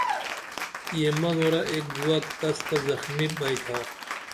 یہ منورہ ایک گُوک تس تہ زخمی بئیتھا